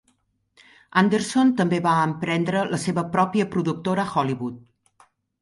Anderson també va emprendre la seva pròpia productora a Hollywood.